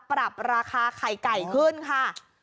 ปรับราคาไข่ไก่ขึ้นค่ะ